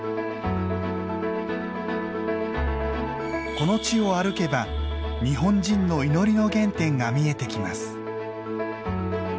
この地を歩けば日本人の祈りの原点が見えてきます。